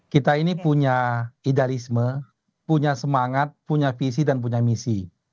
kita ini punya idealisme punya semangat punya visi dan punya misi